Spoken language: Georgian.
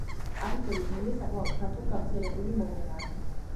აფეთქების მილი საკმაოდ ფართოდ გავრცელებული მოვლენაა.